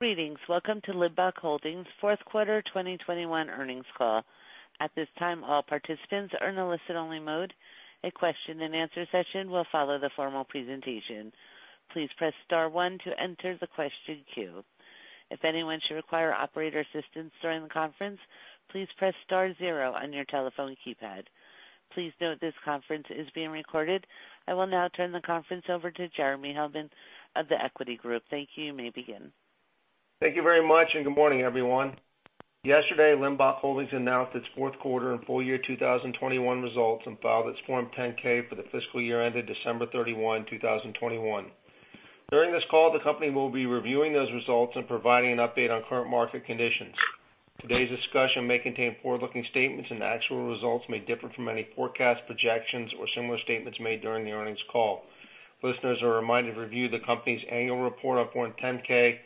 Greetings. Welcome to Limbach Holdings' fourth quarter 2021 earnings call. At this time, all participants are in a listen-only mode. A question-and-answer session will follow the formal presentation. Please press star one to enter the question queue. If anyone should require operator assistance during the conference, please press star zero on your telephone keypad. Please note this conference is being recorded. I will now turn the conference over to Jeremy Hellman of The Equity Group. Thank you. You may begin. Thank you very much, and good morning, everyone. Yesterday, Limbach Holdings announced its fourth quarter and full year 2021 results and filed its Form 10-K for the fiscal year ended December 31, 2021. During this call, the company will be reviewing those results and providing an update on current market conditions. Today's discussion may contain forward-looking statements and actual results may differ from any forecast, projections or similar statements made during the earnings call. Listeners are reminded to review the company's annual report on Form 10-K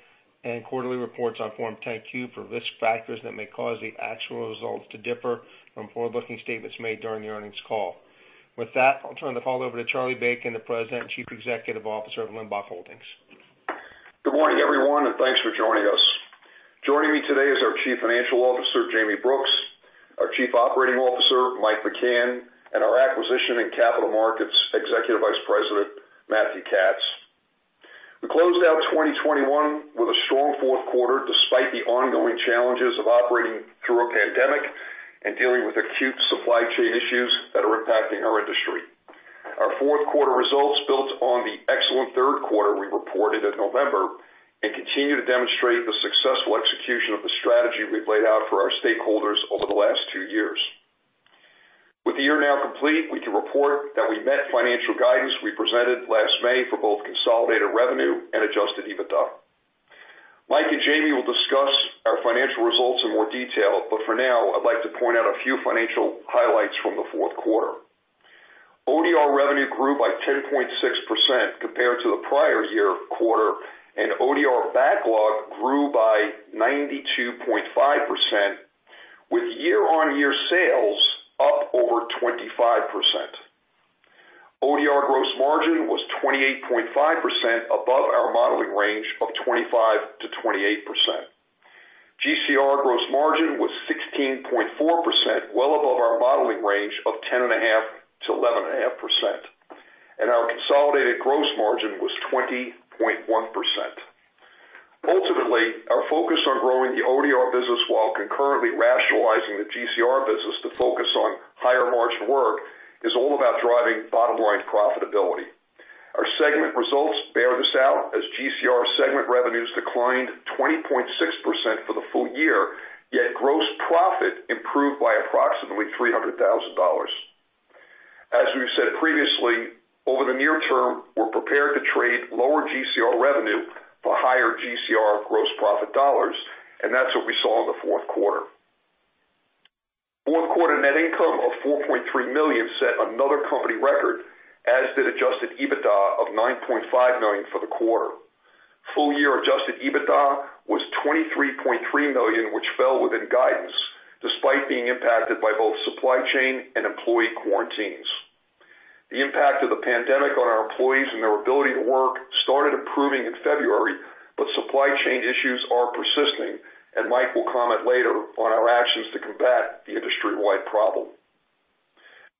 and quarterly reports on Form 10-Q for risk factors that may cause the actual results to differ from forward-looking statements made during the earnings call. With that, I'll turn the call over to Charlie Bacon, the President and Chief Executive Officer of Limbach Holdings. Good morning, everyone, and thanks for joining us. Joining me today is our Chief Financial Officer, Jayme Brooks, our Chief Operating Officer, Mike McCann, and our Acquisition and Capital Markets Executive Vice President, Matthew Katz. We closed out 2021 with a strong fourth quarter, despite the ongoing challenges of operating through a pandemic and dealing with acute supply chain issues that are impacting our industry. Our fourth quarter results built on the excellent third quarter we reported in November and continue to demonstrate the successful execution of the strategy we've laid out for our stakeholders over the last two years. With the year now complete, we can report that we met financial guidance we presented last May for both consolidated revenue and Adjusted EBITDA. Mike and Jayme will discuss our financial results in more detail, but for now, I'd like to point out a few financial highlights from the fourth quarter. ODR revenue grew by 10.6% compared to the prior year quarter, and ODR backlog grew by 92.5% with year-on-year sales up over 25%. ODR gross margin was 28.5% above our modeling range of 25%-28%. GCR gross margin was 16.4%, well above our modeling range of 10.5%-11.5%. Our consolidated gross margin was 20.1%. Ultimately, our focus on growing the ODR business while concurrently rationalizing the GCR business to focus on higher-margin work is all about driving bottom-line profitability. Our segment results bear this out as GCR segment revenues declined 20.6% for the full year, yet gross profit improved by approximately $300,000. As we've said previously, over the near term, we're prepared to trade lower GCR revenue for higher GCR gross profit dollars, and that's what we saw in the fourth quarter. Fourth quarter net income of $4.3 million set another company record, as did Adjusted EBITDA of $9.5 million for the quarter. Full year Adjusted EBITDA was $23.3 million, which fell within guidance despite being impacted by both supply chain and employee quarantines. The impact of the pandemic on our employees and their ability to work started improving in February, but supply chain issues are persisting, and Mike will comment later on our actions to combat the industry-wide problem.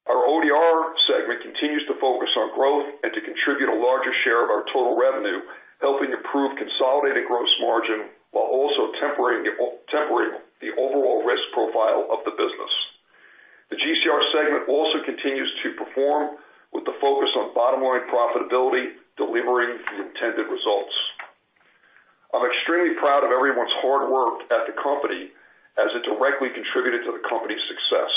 Our ODR segment continues to focus on growth and to contribute a larger share of our total revenue, helping improve consolidated gross margin while also tempering the overall risk profile of the business. The GCR segment also continues to perform with the focus on bottom-line profitability, delivering the intended results. I'm extremely proud of everyone's hard work at the company as it directly contributed to the company's success.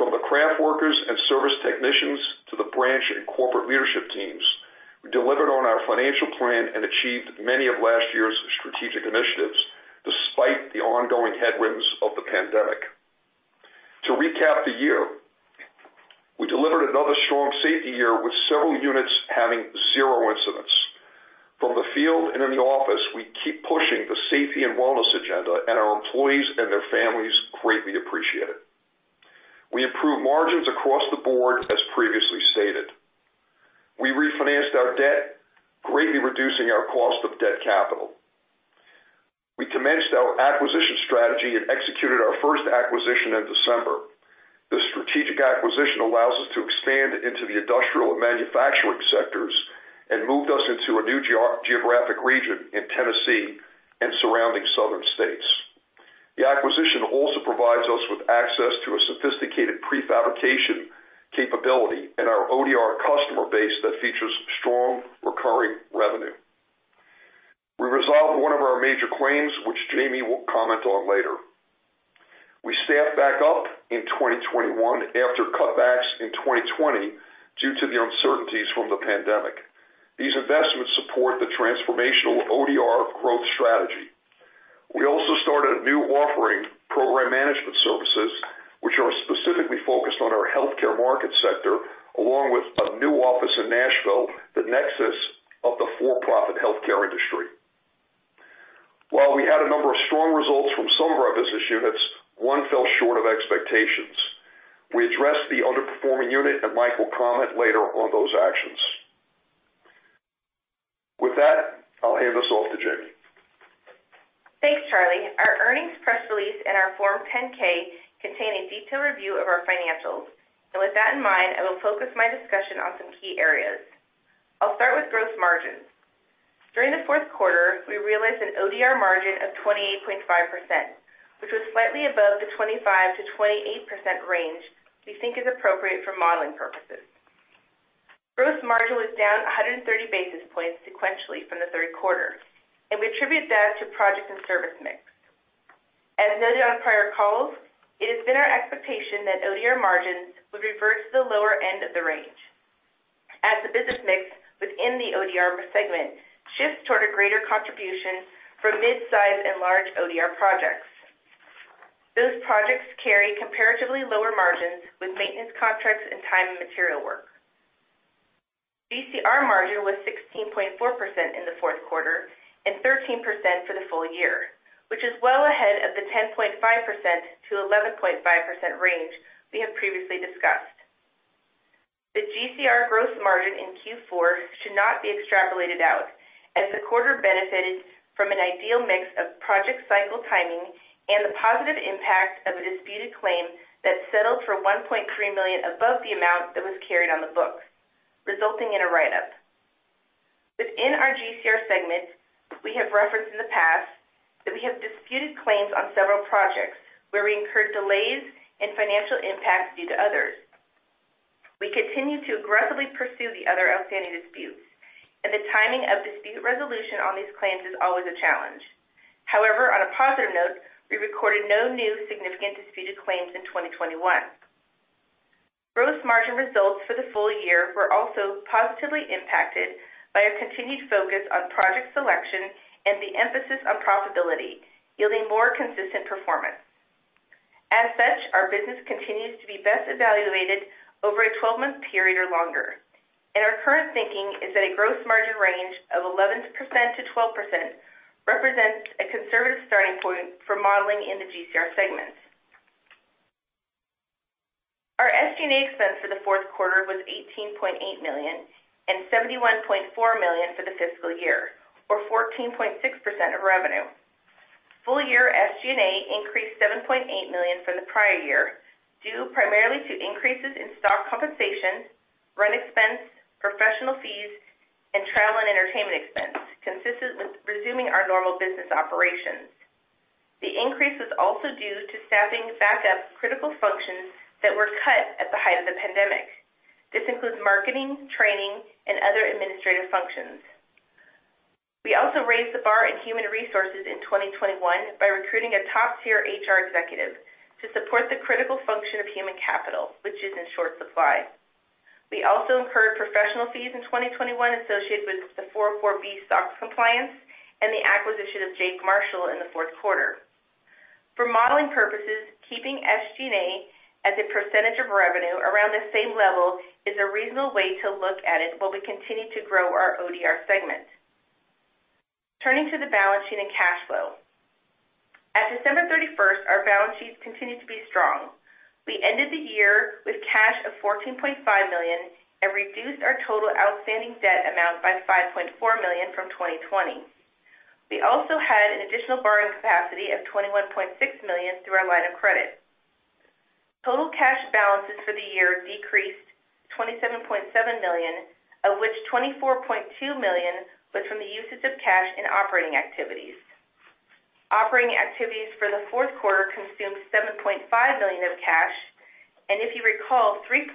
From the craft workers and service technicians to the branch and corporate leadership teams, we delivered on our financial plan and achieved many of last year's strategic initiatives despite the ongoing headwinds of the pandemic. To recap the year, we delivered another strong safety year with several units having zero incidents. From the field and in the office, we keep pushing the safety and wellness agenda, and our employees and their families greatly appreciate it. We improved margins across the board as previously stated. We refinanced our debt, greatly reducing our cost of debt capital. We commenced our acquisition strategy and executed our first acquisition in December. This strategic acquisition allows us to expand into the industrial and manufacturing sectors and moved us into a new geographic region in Tennessee and surrounding southern states. The acquisition also provides us with access to a sophisticated prefabrication capability in our ODR customer base that features strong recurring revenue. We resolved one of our major claims, which Jayme will comment on later. We staffed back up in 2021 after cutbacks in 2020 due to the uncertainties from the pandemic. These investments support the transformational ODR growth strategy. We also started a new offering, program management services, which are specifically focused on our healthcare market sector, along with a new office in Nashville, the nexus of the for-profit healthcare industry. While we had a number of strong results from some of our business units, one fell short of expectations. We addressed the underperforming unit, and Mike will comment later on those actions. With that, I'll hand this off to Jayme. Thanks, Charlie. Our earnings press release and our Form 10-K contain a detailed review of our financials. With that in mind, I will focus my discussion on some key areas. I'll start with gross margins. During the fourth quarter, we realized an ODR margin of 28.5%, which was slightly above the 25%-28% range we think is appropriate for modeling purposes. Gross margin was down 130 basis points sequentially from the third quarter, and we attribute that to project and service mix. As noted on prior calls, it has been our expectation that ODR margins would revert to the lower end of the range as the business mix within the ODR segment shifts toward a greater contribution from mid-size and large ODR projects. Those projects carry comparatively lower margins with maintenance contracts and time and material work. GCR margin was 16.4% in the fourth quarter and 13% for the full year, which is well ahead of the 10.5%-11.5% range we have previously discussed. The GCR gross margin in Q4 should not be extrapolated out as the quarter benefited from an ideal mix of project cycle timing and the positive impact of a disputed claim that settled for $1.3 million above the amount that was carried on the books, resulting in a write-up. Within our GCR segment, we have referenced in the past that we have disputed claims on several projects where we incurred delays and financial impacts due to others. We continue to aggressively pursue the other outstanding disputes, and the timing of dispute resolution on these claims is always a challenge. However, on a positive note, we recorded no new significant disputed claims in 2021. Gross margin results for the full year were also positively impacted by our continued focus on project selection and the emphasis on profitability, yielding more consistent performance. As such, our business continues to be best evaluated over a 12-month period or longer. Our current thinking is that a gross margin range of 11%-12% represents a conservative starting point for modeling in the GCR segment. Our SG&A expense for the fourth quarter was $18.8 million and $71.4 million for the fiscal year, or 14.6% of revenue. Full year SG&A increased $7.8 million from the prior year, due primarily to increases in stock compensation, rent expense, professional fees, and travel and entertainment expense, consistent with resuming our normal business operations. The increase was also due to staffing back up critical functions that were cut at the height of the pandemic. This includes marketing, training, and other administrative functions. We also raised the bar in human resources in 2021 by recruiting a top-tier HR executive to support the critical function of human capital, which is in short supply. We also incurred professional fees in 2021 associated with the 404(b) SOX compliance and the acquisition of Jake Marshall in the fourth quarter. For modeling purposes, keeping SG&A as a percentage of revenue around the same level is a reasonable way to look at it while we continue to grow our ODR segment. Turning to the balance sheet and cash flow. At December 31st, our balance sheets continued to be strong. We ended the year with cash of $14.5 million and reduced our total outstanding debt amount by $5.4 million from 2020. We also had an additional borrowing capacity of $21.6 million through our line of credit. Total cash balances for the year decreased $27.7 million, of which $24.2 million was from the usage of cash in operating activities. Operating activities for the fourth quarter consumed $7.5 million of cash. If you recall, $3.2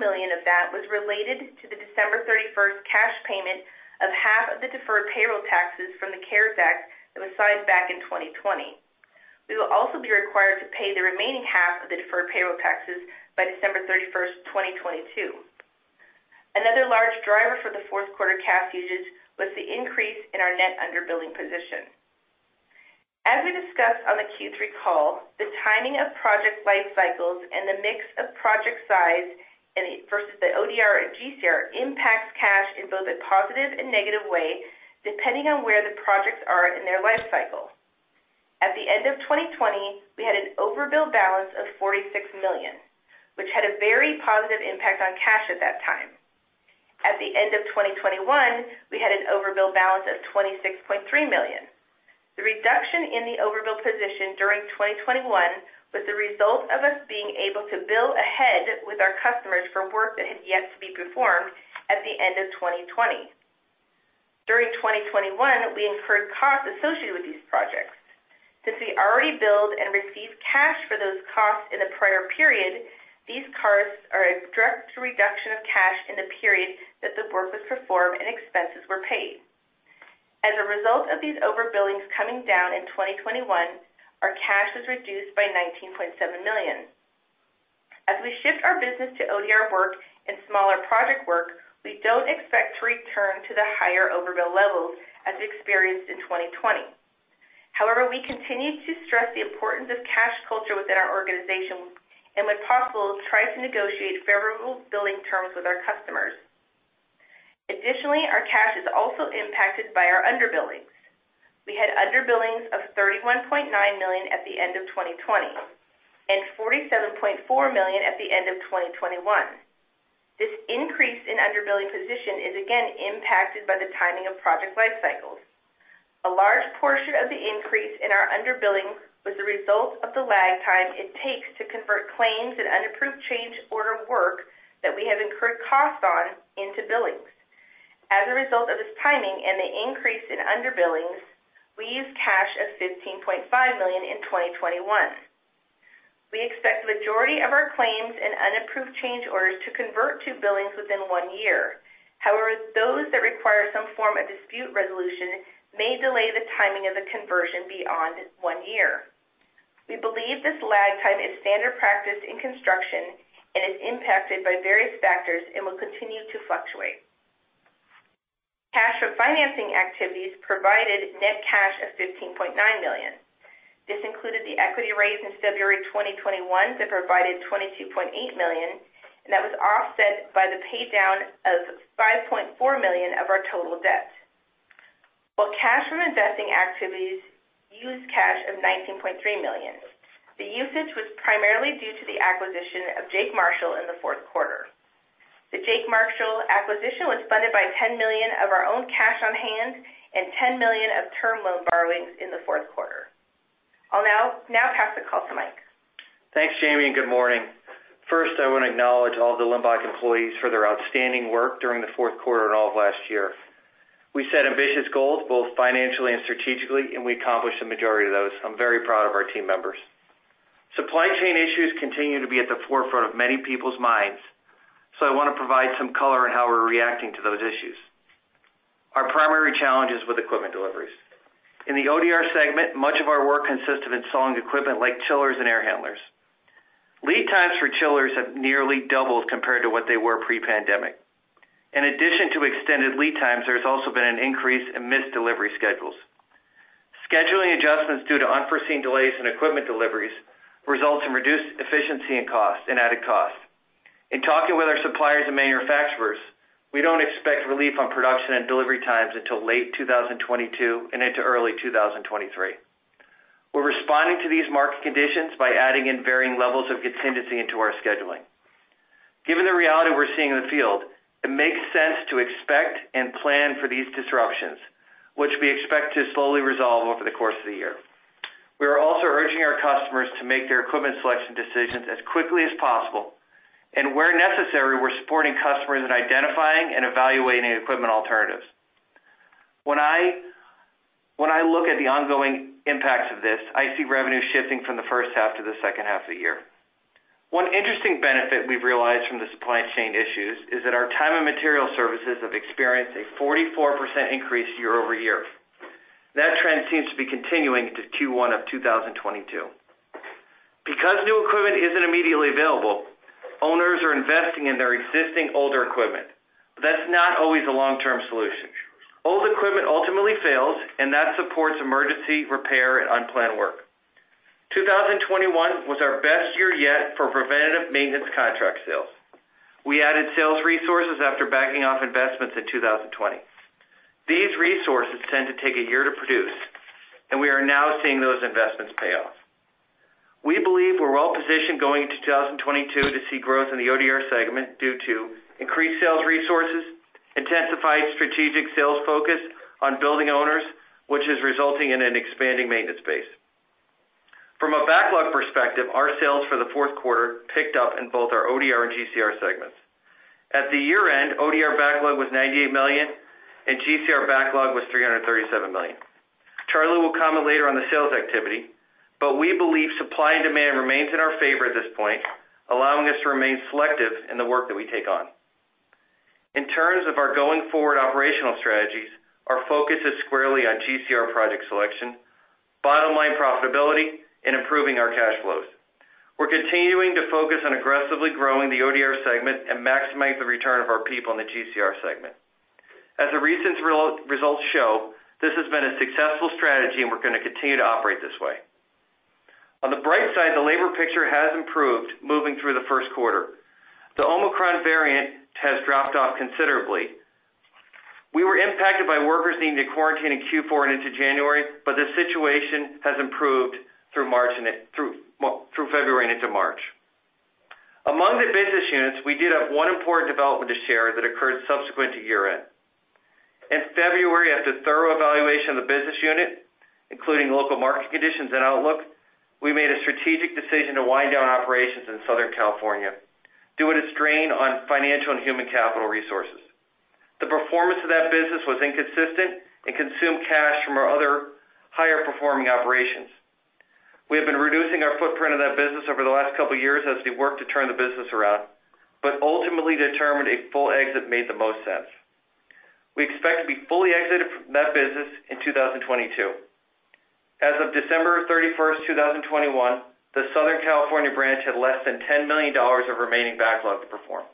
million of that was related to the December 31st cash payment of half of the deferred payroll taxes from the CARES Act that was signed back in 2020. We will also be required to pay the remaining half of the deferred payroll taxes by December 31st, 2022. Another large driver for the fourth quarter cash usage was the increase in our net underbilling position. As we discussed on the Q3 call, the timing of project life cycles and the mix of project size versus the ODR and GCR impacts cash in both a positive and negative way, depending on where the projects are in their life cycle. At the end of 2020, we had an overbilled balance of $46 million, which had a very positive impact on cash at that time. At the end of 2021, we had an overbilled balance of $26.3 million. The reduction in the overbilled position during 2021 was the result of us being able to bill ahead with our customers for work that had yet to be performed at the end of 2020. During 2021, we incurred costs associated with these projects. Since we already billed and received cash for those costs in the prior period, these costs are a direct reduction of cash in the period that the work was performed and expenses were paid. As a result of these overbillings coming down in 2021, our cash was reduced by $19.7 million. As we shift our business to ODR work and smaller project work, we don't expect to return to the higher overbill levels as experienced in 2020. However, we continue to stress the importance of cash culture within our organization and, when possible, try to negotiate favorable billing terms with our customers. Additionally, our cash is also impacted by our under billings. We had under billings of $31.9 million at the end of 2020, and $47.4 million at the end of 2021. This increase in under billing position is again impacted by the timing of project life cycles. A large portion of the increase in our under billings was the result of the lag time it takes to convert claims and unapproved change order work that we have incurred costs on into billings. As a result of this timing and the increase in under billings, we used cash of $15.5 million in 2021. We expect majority of our claims and unapproved change orders to convert to billings within one year. However, those that require some form of dispute resolution may delay the timing of the conversion beyond one year. We believe this lag time is standard practice in construction, and is impacted by various factors and will continue to fluctuate. Cash from financing activities provided net cash of $15.9 million. This included the equity raise in February 2021 that provided $22.8 million, and that was offset by the pay down of $5.4 million of our total debt. While cash from investing activities used cash of $19.3 million, the usage was primarily due to the acquisition of Jake Marshall in the fourth quarter. The Jake Marshall acquisition was funded by $10 million of our own cash on hand and $10 million of term loan borrowings in the fourth quarter. I'll now pass the call to Mike. Thanks, Jayme, and good morning. First, I wanna acknowledge all the Limbach employees for their outstanding work during the fourth quarter and all of last year. We set ambitious goals, both financially and strategically, and we accomplished the majority of those. I'm very proud of our team members. Supply chain issues continue to be at the forefront of many people's minds, so I wanna provide some color on how we're reacting to those issues. Our primary challenge is with equipment deliveries. In the ODR segment, much of our work consists of installing equipment like chillers and air handlers. Lead times for chillers have nearly doubled compared to what they were pre-pandemic. In addition to extended lead times, there's also been an increase in missed delivery schedules. Scheduling adjustments due to unforeseen delays in equipment deliveries results in reduced efficiency and costs, and added costs. In talking with our suppliers and manufacturers, we don't expect relief on production and delivery times until late 2022 and into early 2023. We're responding to these market conditions by adding in varying levels of contingency into our scheduling. Given the reality we're seeing in the field, it makes sense to expect and plan for these disruptions, which we expect to slowly resolve over the course of the year. We are also urging our customers to make their equipment selection decisions as quickly as possible, and where necessary, we're supporting customers in identifying and evaluating equipment alternatives. When I look at the ongoing impacts of this, I see revenue shifting from the first half to the second half of the year. One interesting benefit we've realized from the supply chain issues is that our time and material services have experienced a 44% increase year-over-year. That trend seems to be continuing into Q1 of 2022. Because new equipment isn't immediately available, owners are investing in their existing older equipment. That's not always a long-term solution. Old equipment ultimately fails, and that supports emergency repair and unplanned work. 2021 was our best year yet for preventative maintenance contract sales. We added sales resources after backing off investments in 2020. These resources tend to take a year to produce, and we are now seeing those investments pay off. We believe we're well positioned going into 2022 to see growth in the ODR segment due to increased sales resources, intensified strategic sales focus on building owners, which is resulting in an expanding maintenance base. From a backlog perspective, our sales for the fourth quarter picked up in both our ODR and GCR segments. At the year-end, ODR backlog was $98 million and GCR backlog was $337 million. Charlie will comment later on the sales activity, but we believe supply and demand remains in our favor at this point, allowing us to remain selective in the work that we take on. In terms of our going forward operational strategies, our focus is squarely on GCR project selection, bottom line profitability, and improving our cash flows. We're continuing to focus on aggressively growing the ODR segment and maximize the return of our people in the GCR segment. As the recent results show, this has been a successful strategy, and we're gonna continue to operate this way. On the bright side, the labor picture has improved moving through the first quarter. The Omicron variant has dropped off considerably. We were impacted by workers needing to quarantine in Q4 and into January, but the situation has improved, well, through February and into March. Among the business units, we did have one important development to share that occurred subsequent to year-end. In February, after thorough evaluation of the business unit, including local market conditions and outlook, we made a strategic decision to wind down operations in Southern California due to its strain on financial and human capital resources. The performance of that business was inconsistent and consumed cash from our other higher performing operations. We have been reducing our footprint in that business over the last couple years as we worked to turn the business around, but ultimately determined a full exit made the most sense. We expect to be fully exited from that business in 2022. As of December 31, 2021, the Southern California branch had less than $10 million of remaining backlog to perform.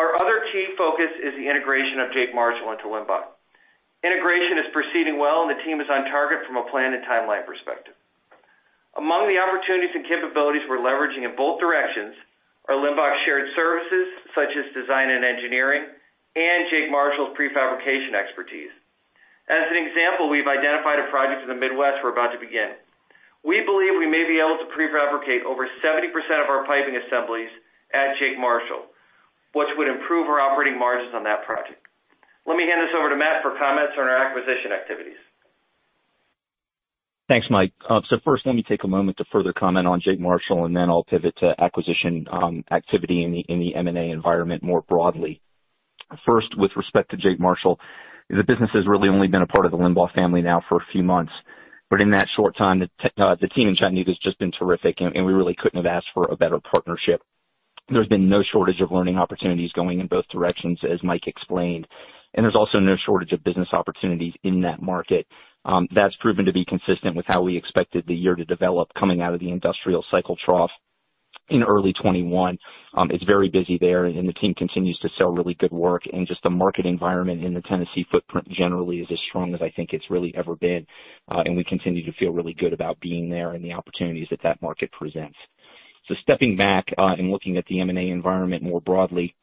Our other key focus is the integration of Jake Marshall into Limbach. Integration is proceeding well, and the team is on target from a plan and timeline perspective. Among the opportunities and capabilities we're leveraging in both directions are Limbach's shared services such as design and engineering and Jake Marshall's prefabrication expertise. As an example, we've identified a project in the Midwest we're about to begin. We believe we may be able to prefabricate over 70% of our piping assemblies at Jake Marshall, which would improve our operating margins on that project. Let me hand this over to Matt for comments on our acquisition activities. Thanks, Mike. First, let me take a moment to further comment on Jake Marshall, and then I'll pivot to acquisition activity in the M&A environment more broadly. First, with respect to Jake Marshall, the business has really only been a part of the Limbach family now for a few months. In that short time, the team in Chattanooga has just been terrific, and we really couldn't have asked for a better partnership. There's been no shortage of learning opportunities going in both directions, as Mike explained, and there's also no shortage of business opportunities in that market. That's proven to be consistent with how we expected the year to develop coming out of the industrial cycle trough in early 2021. It's very busy there, and the team continues to sell really good work. Just the market environment in the Tennessee footprint generally is as strong as I think it's really ever been, and we continue to feel really good about being there and the opportunities that that market presents. Stepping back and looking at the M&A environment more broadly,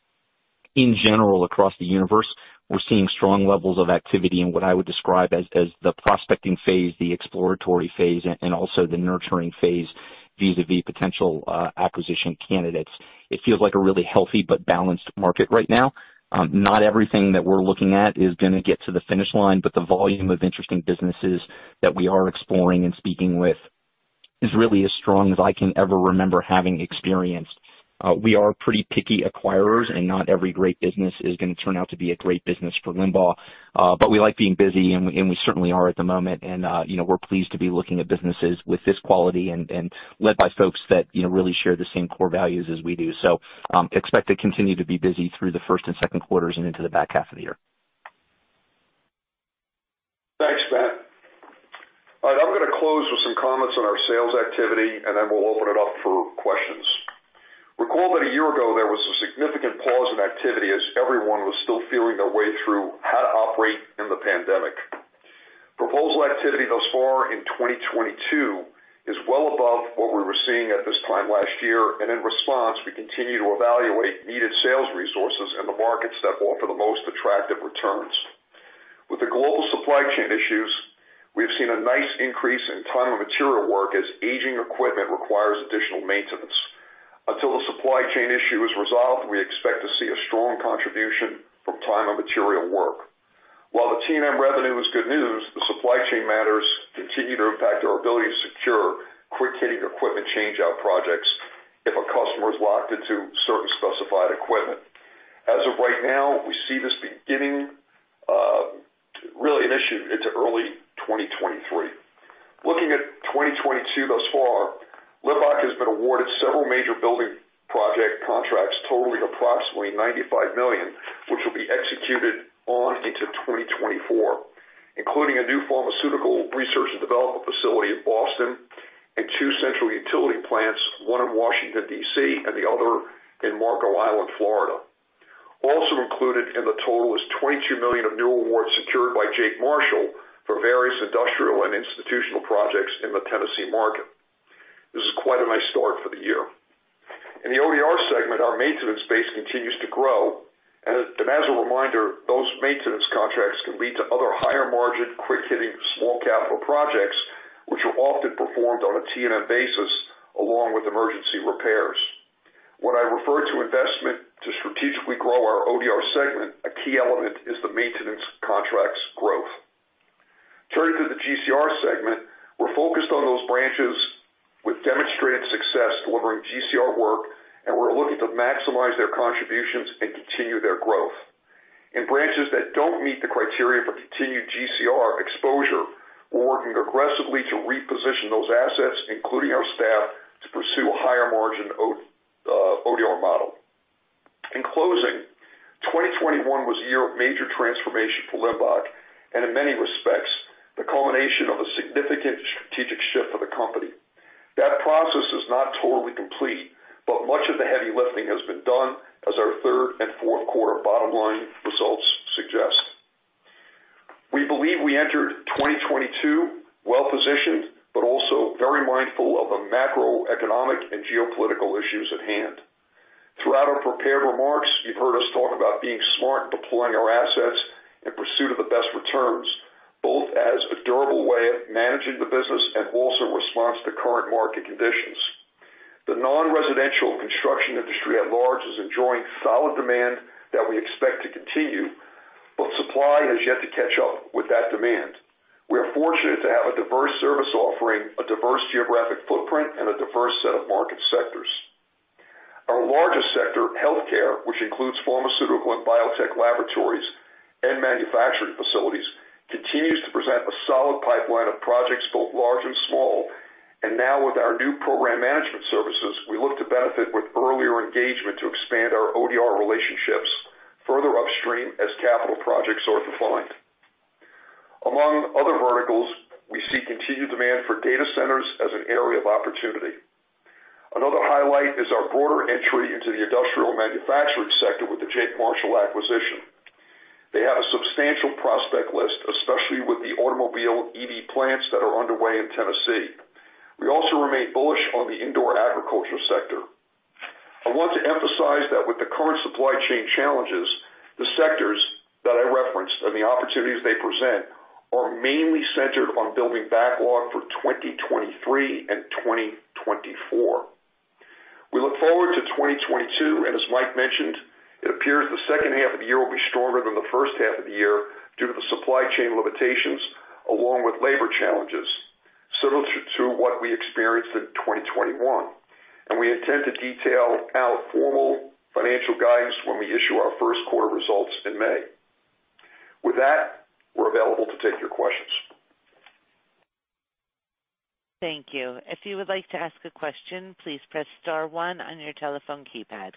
in general across the universe, we're seeing strong levels of activity in what I would describe as the prospecting phase, the exploratory phase, and also the nurturing phase vis-a-vis potential acquisition candidates. It feels like a really healthy but balanced market right now. Not everything that we're looking at is gonna get to the finish line, but the volume of interesting businesses that we are exploring and speaking with is really as strong as I can ever remember having experienced. We are pretty picky acquirers, and not every great business is gonna turn out to be a great business for Limbach. We like being busy and we certainly are at the moment. You know, we're pleased to be looking at businesses with this quality and led by folks that, you know, really share the same core values as we do. Expect to continue to be busy through the first and second quarters and into the back half of the year. Thanks, Matt. All right, I'm gonna close with some comments on our sales activity, and then we'll open it up for questions. Recall that a year ago, there was a significant pause in activity as everyone was still feeling their way through how to operate in the pandemic. Proposal activity thus far in 2022 is well above what we were seeing at this time last year, and in response, we continue to evaluate needed sales resources in the markets that offer the most attractive returns. With the global supply chain issues, we have seen a nice increase in time and material work as aging equipment requires additional maintenance. Until the supply chain issue is resolved, we expect to see a strong contribution from time and material work. While the T&M revenue is good news, the supply chain matters continue to impact our ability to secure quick-hitting equipment change-out projects if a customer is locked into service-specified equipment. As of right now, we see this beginning really an issue into early 2023. Looking at 2022 thus far, Limbach has been awarded several major building project contracts totaling approximately $95 million, which will be executed on into 2024, including a new pharmaceutical research and development facility in Boston and two central utility plants, one in Washington, D.C. and the other in Marco Island, Florida. Also included in the total is $22 million of new awards secured by Jake Marshall for various industrial and institutional projects in the Tennessee market. This is quite a nice start for the year. In the ODR segment, our maintenance base continues to grow. As a reminder, those maintenance contracts can lead to other higher margin, quick-hitting small capital projects, which are often performed on a T&M basis along with emergency repairs. When I refer to investment to strategically grow our ODR segment, a key element is the maintenance contracts growth. Turning to the GCR segment, we're focused on those branches with demonstrated success delivering GCR work, and we're looking to maximize their contributions and continue their growth. In branches that don't meet the criteria for continued GCR exposure, we're working aggressively to reposition those assets, including our staff, to pursue a higher margin ODR model. In closing, 2021 was a year of major transformation for Limbach, and in many respects, the culmination of a significant strategic shift for the company. That process is not totally complete, but much of the heavy lifting has been done as our third and fourth quarter bottom line results suggest. We believe we entered 2022 well-positioned but also very mindful of the macroeconomic and geopolitical issues at hand. Throughout our prepared remarks, you've heard us talk about being smart in deploying our assets in pursuit of the best returns, both as a durable way of managing the business and also in response to current market conditions. The non-residential construction industry at large is enjoying solid demand that we expect to continue, but supply has yet to catch up with that demand. We are fortunate to have a diverse service offering, a diverse geographic footprint, and a diverse set of market sectors. Our largest sector, healthcare, which includes pharmaceutical and biotech laboratories and manufacturing facilities, continues to present a solid pipeline of projects both large and small. Now with our new program management services, we look to benefit with earlier engagement to expand our ODR relationships further upstream as capital projects are defined. Among other verticals, we see continued demand for data centers as an area of opportunity. Another highlight is our broader entry into the industrial manufacturing sector with the Jake Marshall acquisition. They have a substantial prospect list, especially with the automobile EV plants that are underway in Tennessee. We also remain bullish on the indoor agriculture sector. I want to emphasize that with the current supply chain challenges, the sectors that I referenced and the opportunities they present are mainly centered on building backlog for 2023 and 2024. We look forward to 2022, and as Mike mentioned, it appears the second half of the year will be stronger than the first half of the year due to the supply chain limitations along with labor challenges, similar to what we experienced in 2021. We intend to detail out formal financial guidance when we issue our first quarter results in May. With that, we're available to take your questions. Thank you. If you would like to ask a question, please press star one on your telephone keypad.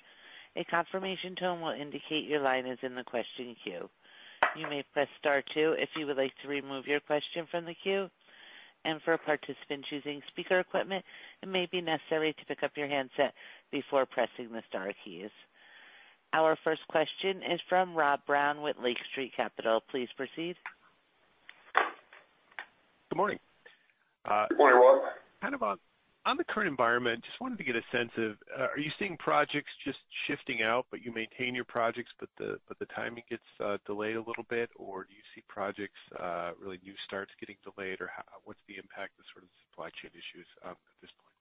A confirmation tone will indicate your line is in the question queue. You may press star two if you would like to remove your question from the queue. For a participant choosing speaker equipment, it may be necessary to pick up your handset before pressing the star keys. Our first question is from Rob Brown with Lake Street Capital. Please proceed. Good morning. Good morning, Rob. Kind of on the current environment, just wanted to get a sense of, are you seeing projects just shifting out, but you maintain your projects, but the timing gets delayed a little bit? Or do you see projects really new starts getting delayed? Or what's the impact of sort of supply chain issues at this point?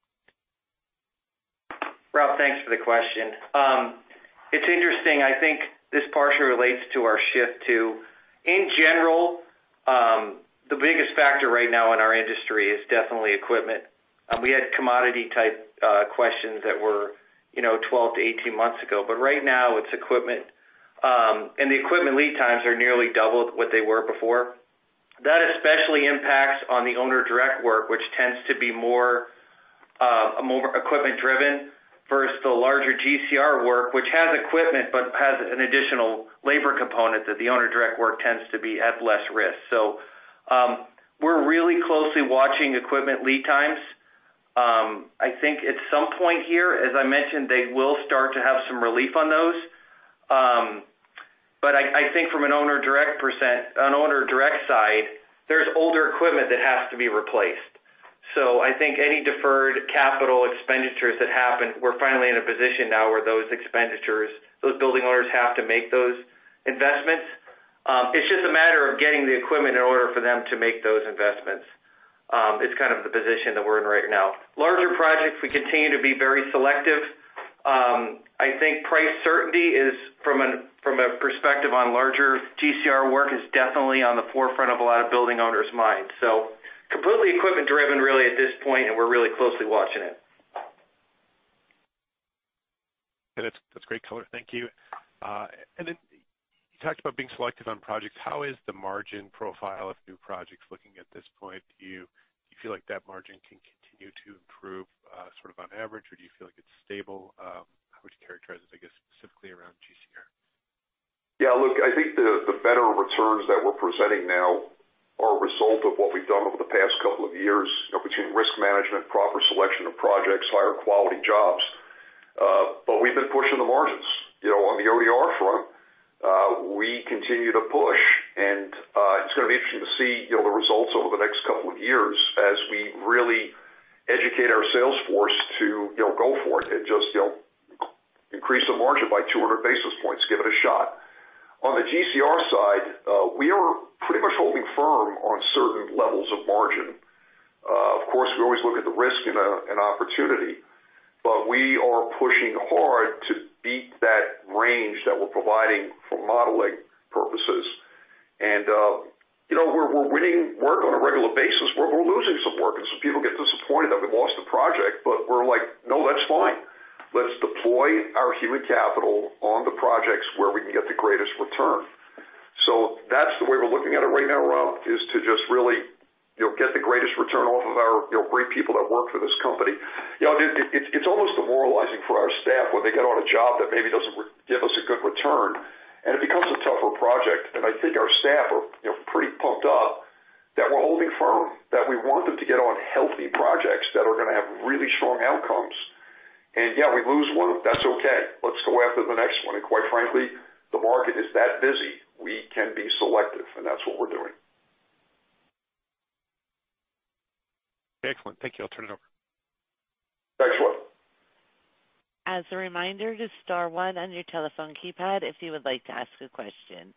Rob, thanks for the question. It's interesting, I think this partially relates to our shift to, in general, the biggest factor right now in our industry is definitely equipment. We had commodity type questions that were, you know, 12-18 months ago, but right now it's equipment. The equipment lead times are nearly double what they were before. That especially impacts on the owner direct work, which tends to be more equipment driven versus the larger GCR work, which has equipment but has an additional labor component that the owner direct work tends to be at less risk. We're really closely watching equipment lead times. I think at some point here, as I mentioned, they will start to have some relief on those. I think from an owner direct side, there's older equipment that has to be replaced. I think any deferred capital expenditures that happen, we're finally in a position now where those expenditures, those building owners have to make those investments. It's just a matter of getting the equipment in order for them to make those investments is kind of the position that we're in right now. Larger projects, we continue to be very selective. I think price certainty is from a perspective on larger GCR work is definitely on the forefront of a lot of building owners' minds. Completely equipment driven really at this point, and we're really closely watching it. That's great color. Thank you. You talked about being selective on projects. How is the margin profile of new projects looking at this point? Do you feel like that margin can continue to improve, sort of on average, or do you feel like it's stable? How would you characterize it, I guess, specifically around GCR? Yeah, look, I think the better returns that we're presenting now are a result of what we've done over the past couple of years, you know, between risk management, proper selection of projects, higher quality jobs. We've been pushing the margins. You know, on the ODR front, we continue to push, and it's gonna be interesting to see, you know, the results over the next couple of years as we really educate our sales force to, you know, go for it and just, you know, increase the margin by 200 basis points. Give it a shot. On the GCR side, we are pretty much holding firm on certain levels of margin. Of course, we always look at the risk and opportunity, but we are pushing hard to beat that range that we're providing for modeling purposes. You know, we're winning work on a regular basis. We're losing some work, and some people get disappointed that we lost a project, but we're like, "No, that's fine. Let's deploy our human capital on the projects where we can get the greatest return." That's the way we're looking at it right now, Rob, is to just really, you know, get the greatest return off of our, you know, great people that work for this company. You know, it's almost demoralizing for our staff when they get on a job that maybe doesn't give us a good return, and it becomes a tougher project. I think our staff are, you know, pretty pumped up that we're holding firm, that we want them to get on healthy projects that are gonna have really strong outcomes. Yeah, we lose one, that's okay. Let's go after the next one. Quite frankly, the market is that busy. We can be selective, and that's what we're doing. Excellent. Thank you. I'll turn it over. Thanks, Rob. As a reminder, just star one on your telephone keypad if you would like to ask a question.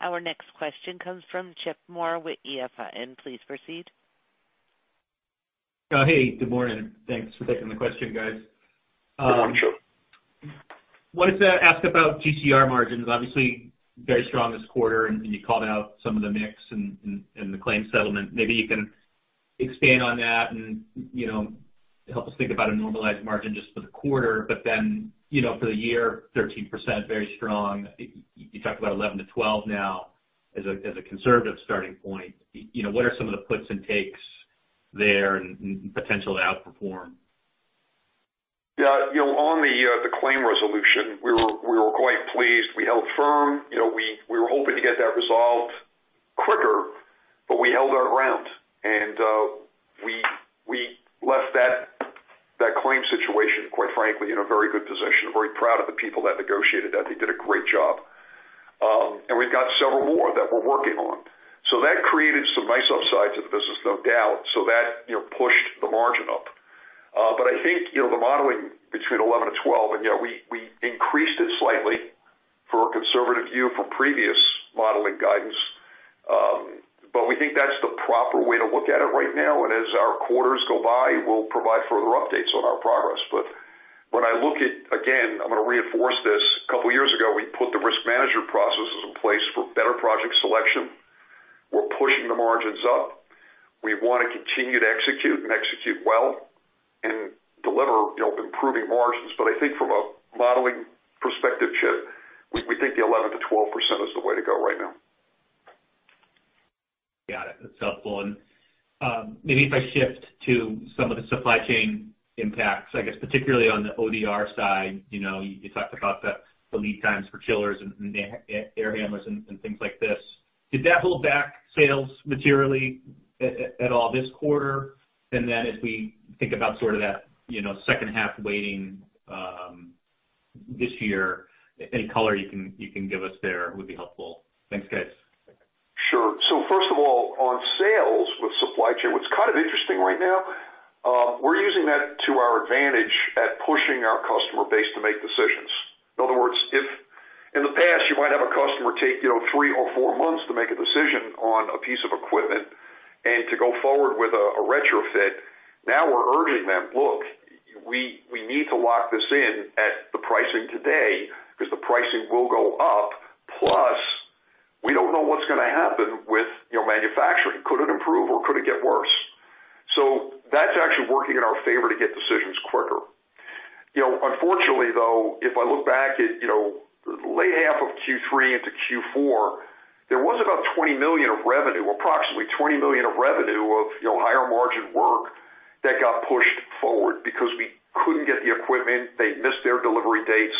Our next question comes from Chip Moore with EF Hutton. Please proceed. Hey, good morning. Thanks for taking the question, guys. Good morning, Chip. wanted to ask about GCR margins, obviously very strong this quarter, and you called out some of the mix and the claim settlement. Maybe you can expand on that and, you know, help us think about a normalized margin just for the quarter. Then, you know, for the year, 13%, very strong. You talked about 11%-12% now as a conservative starting point. You know, what are some of the puts and takes there and potential to outperform? Yeah, you know, on the claim resolution, we were quite pleased. We held firm. You know, we were hoping to get that resolved quicker, but we held out route. We left that claim situation, quite frankly, in a very good position. Very proud of the people that negotiated that. They did a great job. We've got several more that we're working on. That created some nice upsides in the business, no doubt. That pushed the margin up. I think the modeling between 11%-12%, and we increased it slightly for a conservative view from previous modeling guidance. We think that's the proper way to look at it right now. As our quarters go by, we'll provide further updates on our progress. When I look at, again, I'm gonna reinforce this, a couple years ago, we put the risk management processes in place for better project selection. We're pushing the margins up. We want to continue to execute and execute well and deliver, you know, improving margins. But I think from a modeling perspective, Chip, we think the 11%-12% is the way to go right now. Got it. That's helpful. Maybe if I shift to some of the supply chain impacts, I guess particularly on the ODR side, you know, you talked about the lead times for chillers and air handlers and things like this. Did that hold back sales materially at all this quarter? As we think about sort of that, you know, second half weighting this year, any color you can give us there would be helpful. Thanks, guys. Sure. First of all, on sales with supply chain, what's kind of interesting right now, we're using that to our advantage by pushing our customer base to make decisions. In other words, if in the past, you might have a customer take, you know, three or four months to make a decision on a piece of equipment and to go forward with a retrofit, now we're urging them, "Look, we need to lock this in at the pricing today because the pricing will go up. Plus, we don't know what's gonna happen with, you know, manufacturing. Could it improve, or could it get worse?" That's actually working in our favor to get decisions quicker. You know, unfortunately, though, if I look back at, you know, the latter half of Q3 into Q4, there was about $20 million of revenue, approximately $20 million of revenue of, you know, higher margin work that got pushed forward because we couldn't get the equipment. They missed their delivery dates.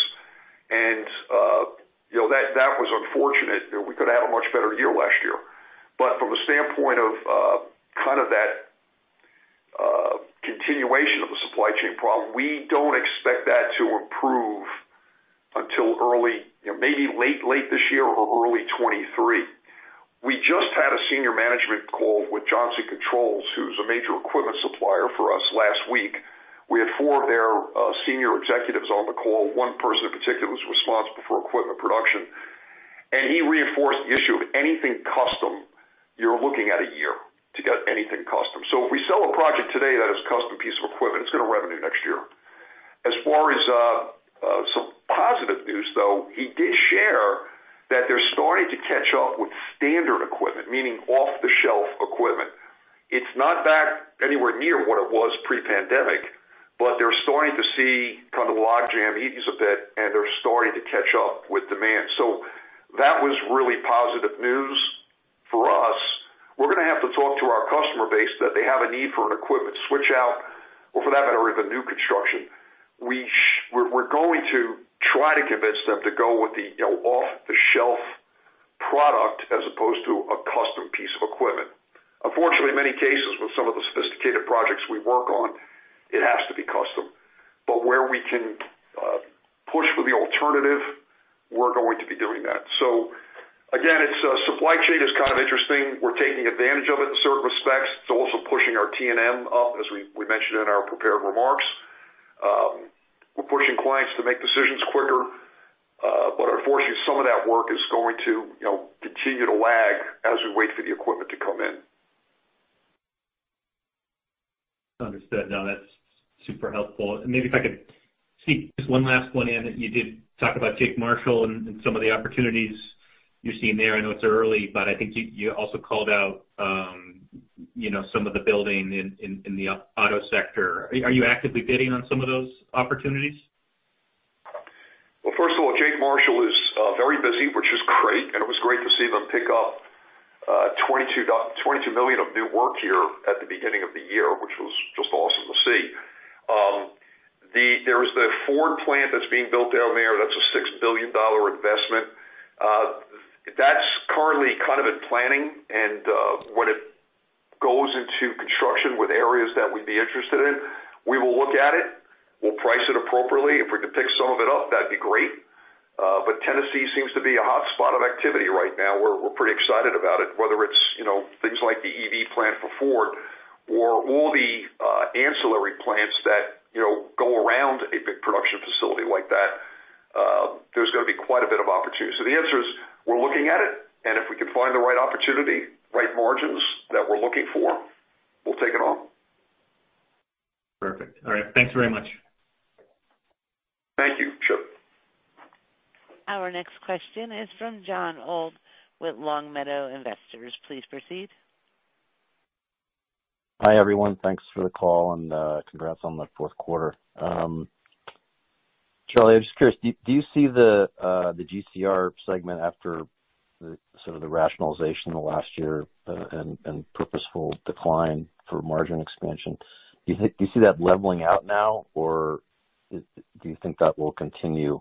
You know, that was unfortunate. You know, we could've had a much better year last year. From a standpoint of kind of that continuation of the supply chain problem, we don't expect that to improve until early, you know, maybe late this year or early 2023. We just had a senior management call with Johnson Controls, who's a major equipment supplier for us, last week. We had four of their senior executives on the call. One person in particular was responsible for equipment production. He reinforced the issue of anything custom, you're looking at a year to get anything custom. If we sell a project today that has a custom piece of equipment, it's gonna revenue next year. As far as some positive news, though, he did share that they're starting to catch up with standard equipment, meaning off-the-shelf equipment. It's not back anywhere near what it was pre-pandemic, but they're starting to see kind of the logjam ease a bit, and they're starting to catch up with demand. That was really positive news for us. We're gonna have to talk to our customer base that they have a need for an equipment switch out or for that matter, even new construction. We're going to try to convince them to go with the, you know, off-the-shelf product as opposed to a custom piece of equipment. Unfortunately, in many cases, with some of the sophisticated projects we work on, it has to be custom. Where we can push for the alternative, we're going to be doing that. Again, it's supply chain is kind of interesting. We're taking advantage of it in certain respects. It's also pushing our T&M up, as we mentioned in our prepared remarks. We're pushing clients to make decisions quicker. Unfortunately, some of that work is going to continue to lag as we wait for the equipment to come in. Understood. No, that's super helpful. Maybe if I could sneak just one last one in. You did talk about Jake Marshall and some of the opportunities you're seeing there. I know it's early, but I think you also called out some of the building in the auto sector. Are you actively bidding on some of those opportunities? Well, first of all, Jake Marshall is very busy, which is great, and it was great to see them pick up $22 million of new work here at the beginning of the year, which was just awesome to see. There's the Ford plant that's being built down there. That's a $6 billion investment. That's currently kind of in planning. When it goes into construction with areas that we'd be interested in, we will look at it. We'll price it appropriately. If we can pick some of it up, that'd be great. Tennessee seems to be a hotspot of activity right now. We're pretty excited about it, whether it's, you know, things like the EV plant for Ford or all the ancillary plants that, you know, go around a big production facility like that, there's gonna be quite a bit of opportunity. So the answer is we're looking at it, and if we can find the right opportunity, right margins that we're looking for, we'll take it on. Perfect. All right. Thanks very much. Thank you, Chip. Our next question is from Jon Old with Long Meadow Investors. Please proceed. Hi, everyone. Thanks for the call and congrats on the fourth quarter. Charlie, I'm just curious, do you see the GCR segment after the sort of rationalization in the last year and purposeful decline for margin expansion, do you see that leveling out now, or do you think that will continue.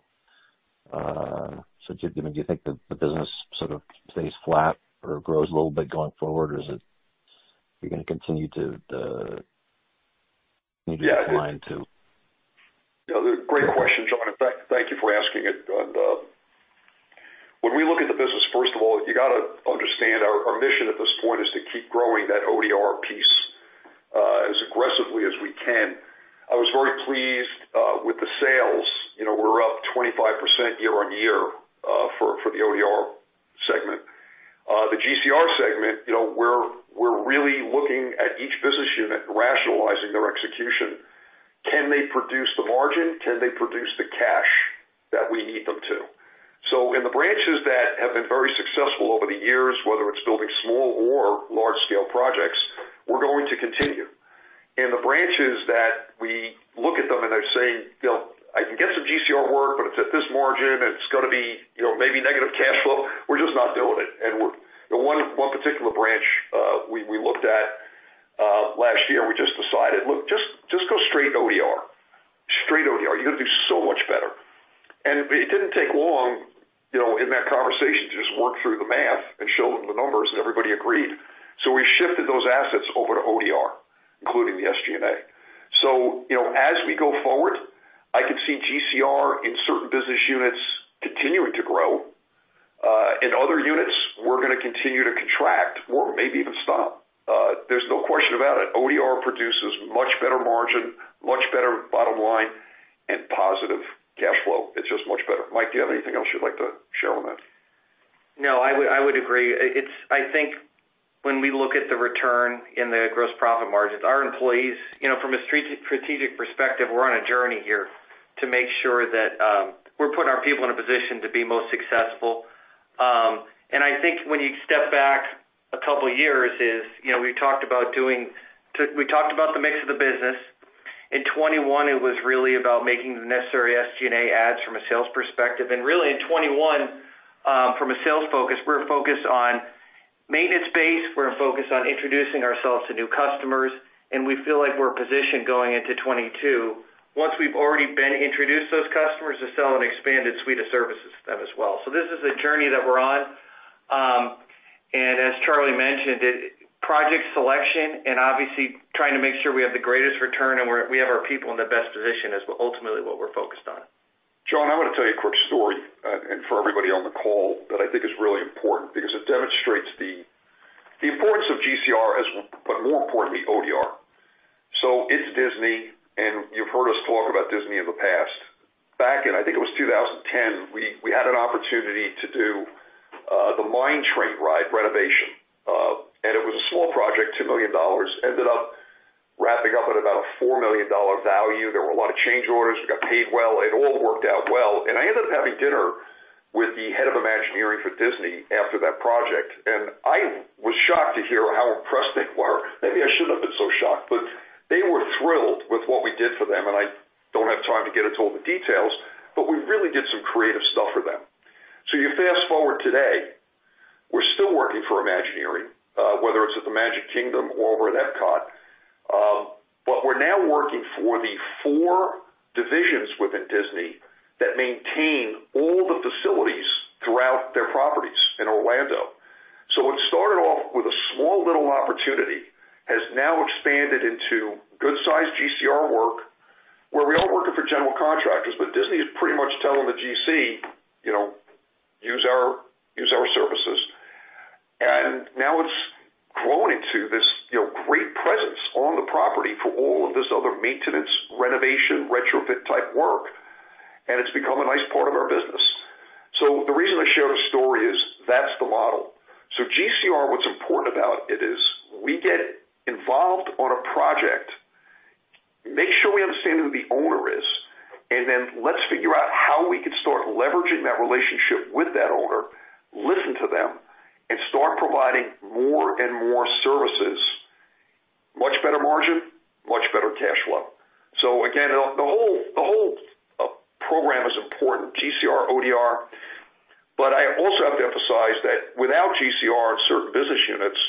Do you think that the business sort of stays flat or grows a little bit going forward or is it you're gonna continue to need to decline to? Yeah. Great question, Jon. In fact, thank you for asking it. When we look at the business, first of all, you gotta understand our mission at this point is to keep growing that ODR piece as aggressively as we can. I was very pleased with the sales. You know, we're up 25% year-over-year for the ODR segment. The GCR segment, you know, we're really looking at each business unit and rationalizing their execution. Can they produce the margin? Can they produce the cash that we need them to? In the branches that have been very successful over the years, whether it's building small-scale or large-scale projects, we're going to continue. The branches that we look at them and they're saying, "You know, I can get some GCR work, but it's at this margin, it's gonna be, you know, maybe negative cash flow," we're just not doing it. One particular branch we looked at last year, we just decided, "Look, just go straight ODR. Straight ODR. You're gonna do so much better." It didn't take long, you know, in that conversation to just work through the math and show them the numbers, and everybody agreed. We shifted those assets over to ODR, including the SG&A. You know, as we go forward, I can see GCR in certain business units continuing to grow. In other units, we're gonna continue to contract or maybe even stop. There's no question about it. ODR produces much better margin, much better bottom line and positive cash flow. It's just much better. Mike, do you have anything else you'd like to share on that? No, I would agree. I think when we look at the return in the gross profit margins, our employees. You know, from a strategic perspective, we're on a journey here to make sure that we're putting our people in a position to be most successful. I think when you step back a couple of years, you know, we talked about the mix of the business. In 2021, it was really about making the necessary SG&A adds from a sales perspective. Really in 2021, from a sales focus, we're focused on maintenance space, we're focused on introducing ourselves to new customers, and we feel like we're positioned going into 2022. Once we've already been introduced to those customers to sell an expanded suite of services to them as well. This is a journey that we're on. As Charlie mentioned, project selection and obviously trying to make sure we have the greatest return and we have our people in the best position is ultimately what we're focused on. Jon, I'm gonna tell you a quick story and for everybody on the call that I think is really important because it demonstrates the importance of GCR, but more importantly, ODR. It's Disney, and you've heard us talk about Disney in the past. Back in, I think it was 2010, we had an opportunity to do the mine train ride renovation. And it was a small project, $2 million. Ended up wrapping up at about a $4 million value. There were a lot of change orders. We got paid well. It all worked out well. I ended up having dinner with the head of Imagineering for Disney after that project. I was shocked to hear how impressed they were. Maybe I shouldn't have been so shocked, but they were thrilled with what we did for them, and I don't have time to get into all the details, but we really did some creative stuff for them. You fast forward today, we're still working for Imagineering, whether it's at the Magic Kingdom or over at EPCOT. But we're now working for the four divisions within Disney that maintain all the facilities throughout their properties in Orlando. What started off with a small little opportunity has now expanded into good sized GCR work, where we are working for general contractors, but Disney is pretty much telling the GC, you know, use our services. Now it's grown into this, you know, great presence on the property for all of this other maintenance, renovation, retrofit type work. It's become a nice part of our business. The reason I share the story is that's the model. GCR, what's important about it is we get involved on a project, make sure we understand who the owner is, and then let's figure out how we can start leveraging that relationship with that owner, listen to them, and start providing more and more services. Much better margin, much better cash flow. Again, the whole program is important, GCR, ODR. I also have to emphasize that without GCR in certain business units,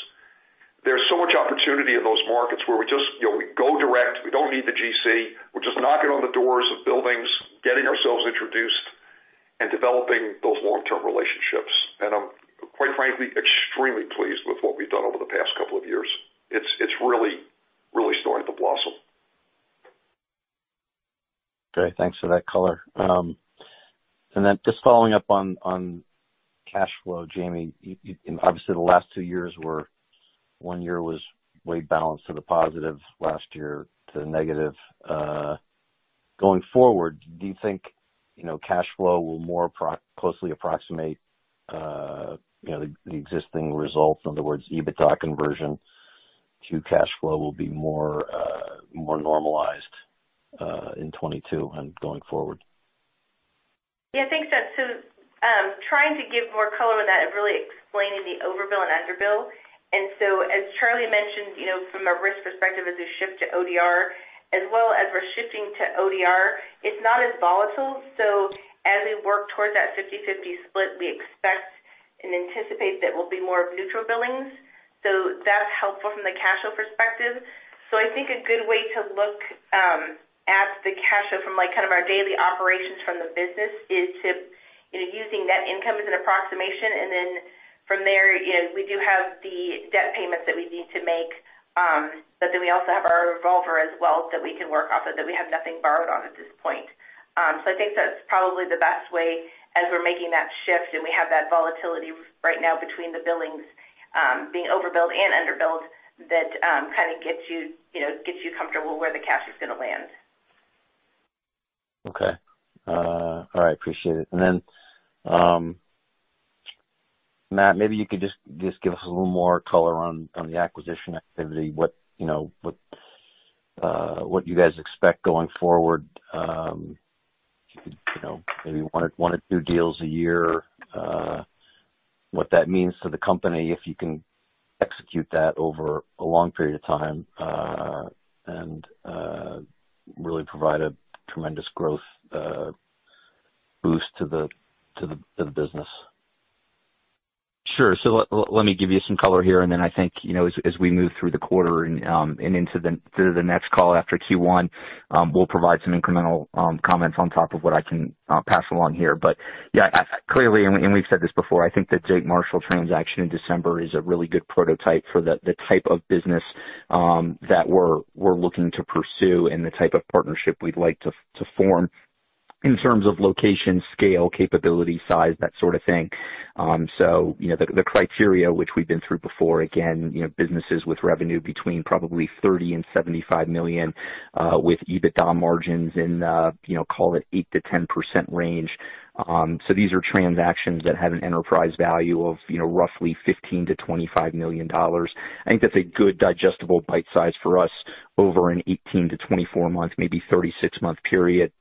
there's so much opportunity in those markets where we just, you know, we go direct, we don't need the GC. We're just knocking on the doors of buildings, getting ourselves introduced and developing those long-term relationships. I'm, quite frankly, extremely pleased with what we've done over the past couple of years. It's really starting to blossom. Great. Thanks for that color. Just following up on cash flow, Jayme. Obviously, the last two years were, one year weighted to the positive, last year to the negative. Going forward, do you think, you know, cash flow will more closely approximate, you know, the existing results? In other words, EBITDA conversion to cash flow will be more normalized in 2022 and going forward. Yeah. Thanks, just trying to give more color on that and really explaining the overbill and underbill. As Charlie mentioned, you know, from a risk perspective as we shift to ODR, it's not as volatile. As we work toward that 50-50 split, we expect and anticipate that we'll be more of neutral billings. That's helpful from the cash flow perspective. I think a good way to look at the cash flow from, like, kind of our daily operations from the business is to, using net income as an approximation. Then from there, you know, we do have the debt payments that we need to make, but then we also have our revolver as well that we can work off of that we have nothing borrowed on at this point. I think that's probably the best way as we're making that shift and we have that volatility right now between the billings being over-billed and under-billed, that kind of gets you know, comfortable where the cash is going to land. Okay. All right. Appreciate it. Matt, maybe you could just give us a little more color on the acquisition activity, what you know, what you guys expect going forward. You know, maybe one or two deals a year, what that means to the company if you can execute that over a long period of time, and really provide a tremendous growth boost to the business. Sure. Let me give you some color here, and then I think, you know, as we move through the quarter and through the next call after Q1, we'll provide some incremental comments on top of what I can pass along here. Yeah, clearly, we've said this before. I think the Jake Marshall transaction in December is a really good prototype for the type of business that we're looking to pursue and the type of partnership we'd like to form in terms of location, scale, capability, size, that sort of thing. You know, the criteria which we've been through before, again, you know, businesses with revenue between probably $30 million and $75 million with EBITDA margins in the call it 8%-10% range. These are transactions that have an enterprise value of, you know, roughly $15 million-$25 million. I think that's a good digestible bite size for us over an 18-24 month, maybe 36 month period.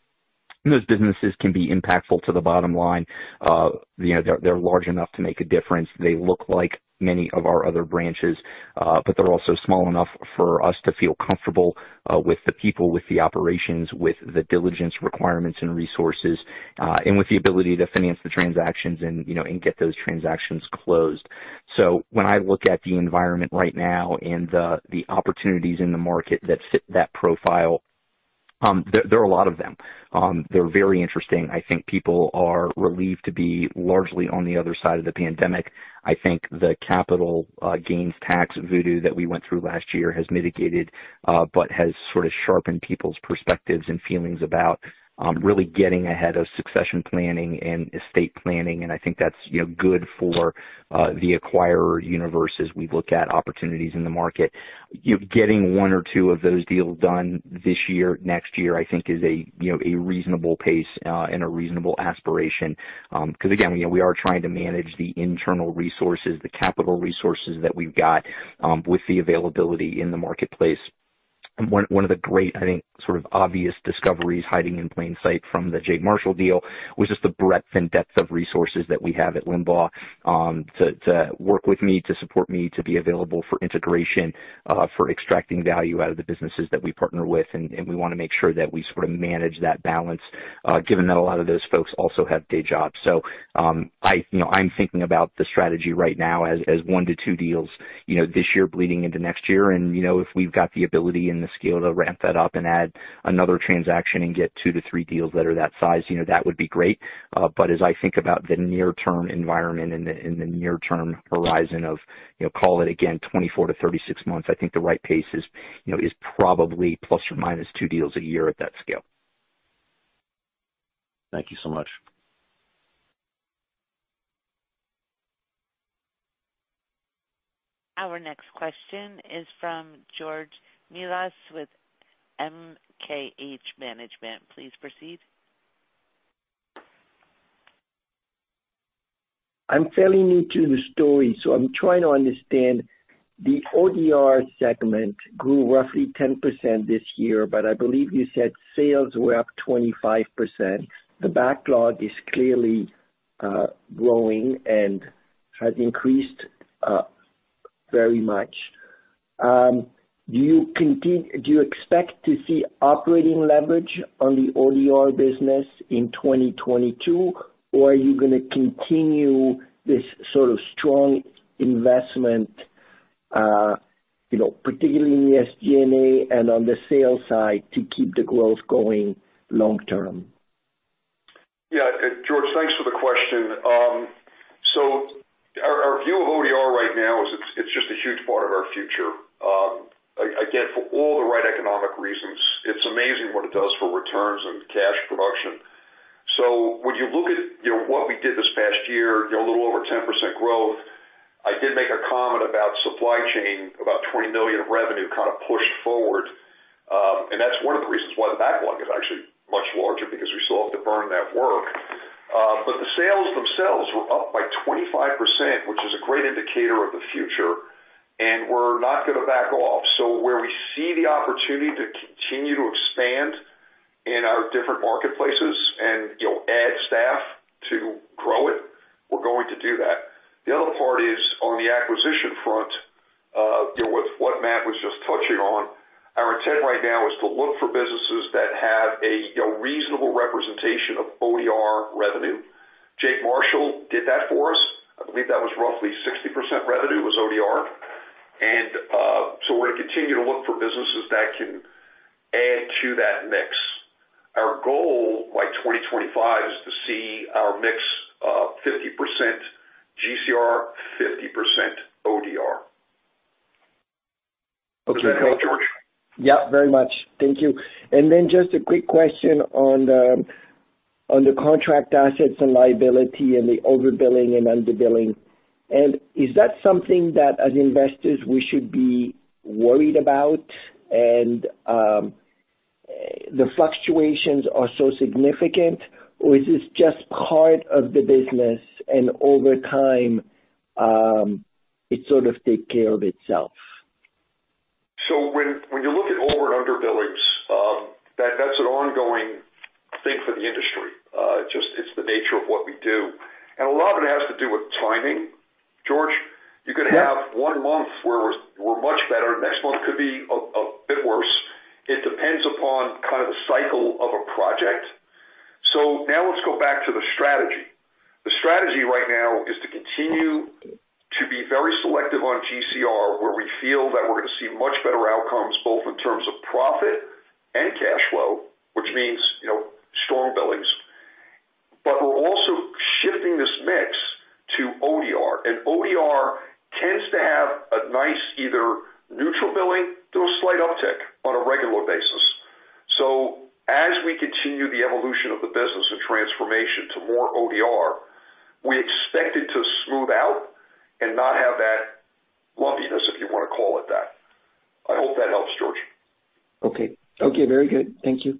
Those businesses can be impactful to the bottom line. You know, they're large enough to make a difference. They look like many of our other branches, but they're also small enough for us to feel comfortable with the people, with the operations, with the diligence requirements and resources, and with the ability to finance the transactions and, you know, and get those transactions closed. When I look at the environment right now and the opportunities in the market that fit that profile, there are a lot of them. They're very interesting. I think people are relieved to be largely on the other side of the pandemic. I think the capital gains tax voodoo that we went through last year has mitigated, but has sort of sharpened people's perspectives and feelings about really getting ahead of succession planning and estate planning. I think that's, you know, good for the acquirer universe as we look at opportunities in the market. You know, getting one or two of those deals done this year, next year, I think is a, you know, a reasonable pace and a reasonable aspiration, because again, you know, we are trying to manage the internal resources, the capital resources that we've got with the availability in the marketplace. One of the great, I think, sort of obvious discoveries hiding in plain sight from the J. Marshall deal. It was just the breadth and depth of resources that we have at Limbach, to work with me, to support me, to be available for integration, for extracting value out of the businesses that we partner with. We want to make sure that we sort of manage that balance, given that a lot of those folks also have day jobs. I you know, I'm thinking about the strategy right now as one to two deals, you know, this year bleeding into next year. You know, if we've got the ability and the scale to ramp that up and add another transaction and get two to three deals that are that size, you know, that would be great. As I think about the near-term environment and the near-term horizon of, you know, call it again, 24-36 months, I think the right pace is, you know, probably ±2 deals a year at that scale. Thank you so much. Our next question is from George Melas with MKH Management. Please proceed. I'm fairly new to the story, so I'm trying to understand. The ODR segment grew roughly 10% this year, but I believe you said sales were up 25%. The backlog is clearly growing and has increased very much. Do you expect to see operating leverage on the ODR business in 2022, or are you gonna continue this sort of strong investment, you know, particularly in the SG&A and on the sales side to keep the growth going long term? Yeah. George, thanks for the question. Our view of ODR right now is it's just a huge part of our future. Again, for all the right economic reasons. It's amazing what it does for returns and cash production. When you look at, you know, what we did this past year, you know, a little over 10% growth. I did make a comment about supply chain, about $20 million of revenue kind of pushed forward. That's one of the reasons why the backlog is actually much larger because we still have to burn that work. The sales themselves were up by 25%, which is a great indicator of the future, and we're not gonna back off. Where we see the opportunity to continue to expand in our different marketplaces and, you know, add staff to grow it, we're going to do that. The other part is on the acquisition front. You know, with what Matt was just touching on, our intent right now is to look for businesses that have a, you know, reasonable representation of ODR revenue. Jake Marshall did that for us. I believe that was roughly 60% revenue was ODR. We're gonna continue to look for businesses that can add to that mix. Our goal by 2025 is to see our mix, 50% GCR, 50% ODR. Okay. Does that help, George? Yep, very much. Thank you. Then just a quick question on the contract assets and liability and the over-billing and under-billing. Is that something that as investors we should be worried about? The fluctuations are so significant, or is this just part of the business and over time it sort of take care of itself? When you look at over and under-billings, that's an ongoing thing for the industry. It's just, it's the nature of what we do. A lot of it has to do with timing, George. Yeah. You could have one month where we're much better. Next month could be a bit worse. It depends upon kind of the cycle of a project. Now let's go back to the strategy. The strategy right now is to continue to be very selective on GCR, where we feel that we're gonna see much better outcomes, both in terms of profit and cash flow, which means, you know, strong billings. But we're also shifting this mix to ODR, and ODR tends to have a nice either neutral billing to a slight uptick on a regular basis. As we continue the evolution of the business and transformation to more ODR, we expect it to smooth out and not have that lumpiness, if you wanna call it that. I hope that helps, George. Okay. Okay, very good. Thank you.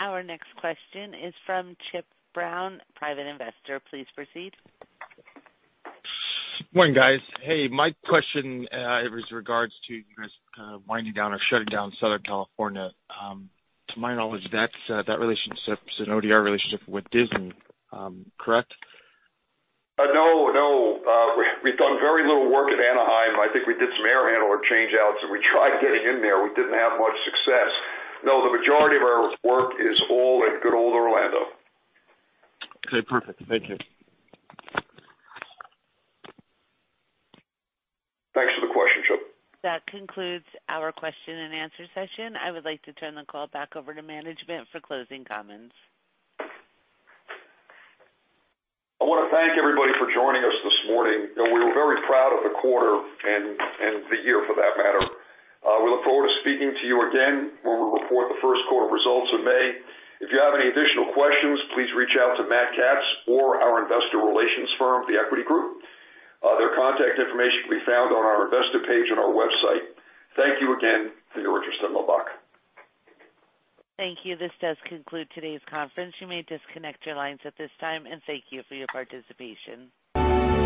Our next question is from Chip Brown, Private Investor. Please proceed. Morning, guys. Hey, my question is regards to you guys kind of winding down or shutting down Southern California. To my knowledge, that's an ODR relationship with Disney, correct? No, we've done very little work at Anaheim. I think we did some air handler change outs, and we tried getting in there. We didn't have much success. No, the majority of our work is all in good old Orlando. Okay, perfect. Thank you. Thanks for the question, Chip. That concludes our question and answer session. I would like to turn the call back over to management for closing comments. I wanna thank everybody for joining us this morning, and we're very proud of the quarter and the year for that matter. We look forward to speaking to you again when we report the first quarter results in May. If you have any additional questions, please reach out to Matt Capps or our investor relations firm, The Equity Group. Their contact information can be found on our investor page on our website. Thank you again for your interest in Limbach. Thank you. This does conclude today's conference. You may disconnect your lines at this time, and thank you for your participation.